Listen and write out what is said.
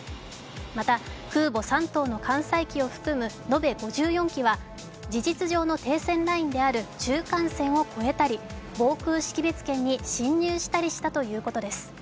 また空母「山東」の艦載機を含む延べ５４機は事実上の停戦ラインである中間線を越えたり防空識別圏に進入したりしたということです。